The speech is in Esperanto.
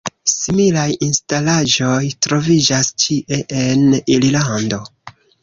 Similaj instalaĵoj troviĝas ĉie en Irlando.